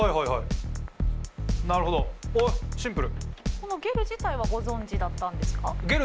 このゲル自体はご存じだったんですか？